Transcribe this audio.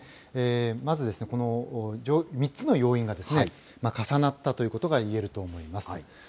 まずですね、３つの要因が重なったということがいえると思います。